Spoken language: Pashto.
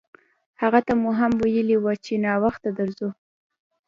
هغه ته مو هم ویلي وو چې ناوخته درځو.